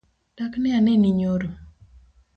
Dak ne aneni nyoro?